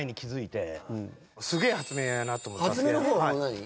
何？